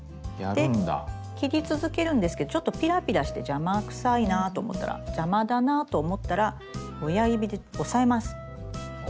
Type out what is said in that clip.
で切り続けるんですけどちょっとピラピラして邪魔くさいなと思ったら邪魔だなと思ったら親指で押さえます。